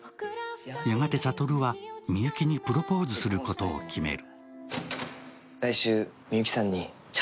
やがて悟はみゆきにプロポーズすることを決める。